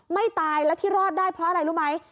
ไม่ตายแล้วที่รอดได้เพราะอะไรรู้ไหม